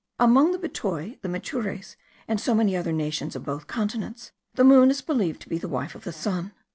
Among the Betoi, the Maypures, and so many other nations of both continents, the moon is believed to be the wife of the sun.